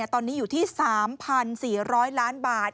ตอนนี้อยู่ที่๓๔๐๐ล้านบาท